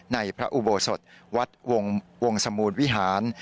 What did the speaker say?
ในพระอุโบสถวัดวงสมูลวิหาร